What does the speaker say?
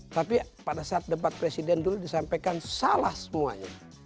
tapi pada saat debat presiden dulu disampaikan salah semuanya